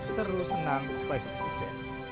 seru senang baik baik saja